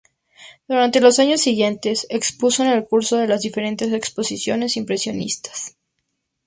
Durante los años siguientes, expuso en el curso de las diferentes exposiciones impresionistas.